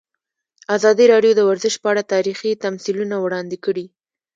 ازادي راډیو د ورزش په اړه تاریخي تمثیلونه وړاندې کړي.